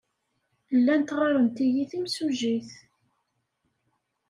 Llant ɣɣarent-iyi timsujjit.